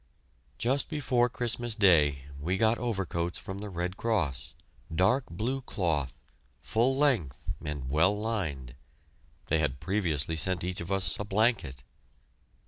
Just before Christmas Day we got overcoats from the Red Cross, dark blue cloth, full length and well lined. They had previously sent each of us a blanket.